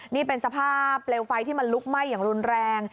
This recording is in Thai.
นี่เป็นสภาพเปลวไฟที่มันลุกไหม้อย่างรุนแรง